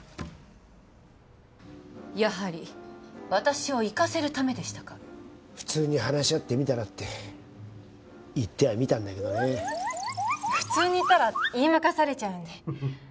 やはり私を行かせるためでしたか普通に話し合ってみたらって言ってはみたんだけどね普通に言ったら言い負かされちゃうんで